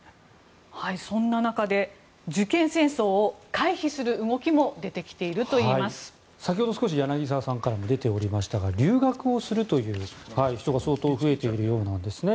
そんな中で、受験戦争を回避する動きも先ほど柳澤さんからも出ておりましたが留学をするという人が相当増えているようなんですね。